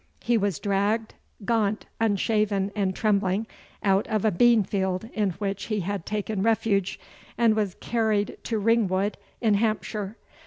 He was dragged, gaunt, unshaven, and trembling, out of a bean field in which he had taken refuge, and was carried to Ringwood, in Hampshire.